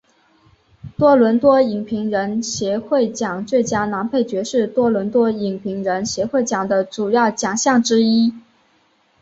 多伦多影评人协会奖最佳男配角是多伦多影评人协会奖的主要奖项之一。